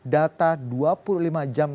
data dua puluh lima jam